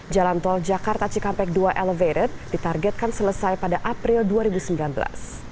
jalan tol jakarta cikampek dua elevated ditargetkan selesai pada april dua ribu sembilan belas